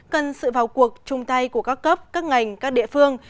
cần sự vào cuộc chung tay của các cấp các ngành các địa phương